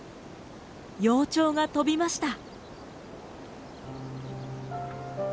幼鳥が飛びました。